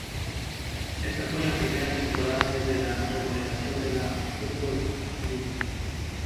Esta fue la primera temporada desde la remodelación de la Football League.